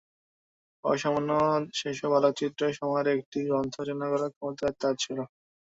অসামান্য সেসব আলোকচিত্রের সমাহারে একটি গ্রন্থ রচনা করার ক্ষমতা তাঁর ছিল।